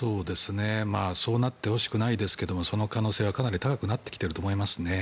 そうなってほしくないですがその可能性はかなり高くなってきていると思います。